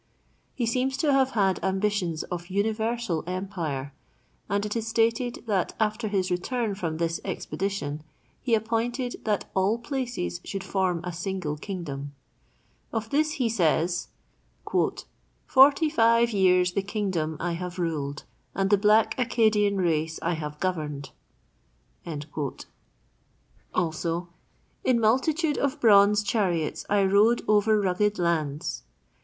He seems to have had ambitions of universal empire, and it is stated that after his return from this expedition, "he appointed that all places should form a single kingdom." Of this he says: "Forty five years the kingdom I have ruled, and the black Accadian race I have governed." "In multitude of bronze chariots I rode over rugged lands."